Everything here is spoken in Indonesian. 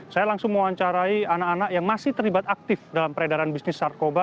saya langsung mewawancarai anak anak yang masih terlibat aktif dalam peredaran bisnis narkoba